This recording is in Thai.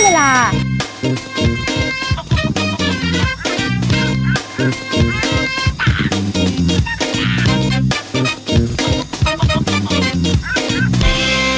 สวัสดีค่ะ